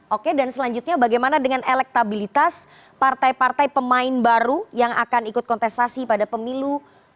oke dan selanjutnya bagaimana dengan elektabilitas partai partai pemain baru yang akan ikut kontestasi pada pemilu dua ribu dua puluh